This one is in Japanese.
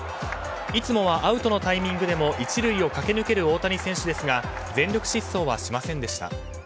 いつもはアウトのタイミングでも１塁を駆け抜ける大谷選手ですが全力疾走はしませんでした。